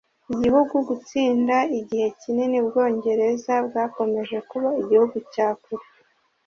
igihugu gutsinda. igihe kinini ubwongereza bwakomeje kuba igihugu cya kure